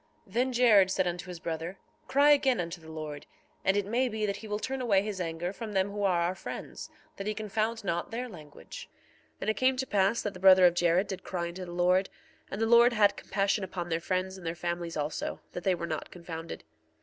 1:36 Then Jared said unto his brother: Cry again unto the Lord, and it may be that he will turn away his anger from them who are our friends, that he confound not their language. 1:37 And it came to pass that the brother of Jared did cry unto the Lord, and the Lord had compassion upon their friends and their families also, that they were not confounded.